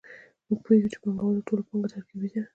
موږ پوهېږو چې د پانګوال ټوله پانګه ترکیبي ده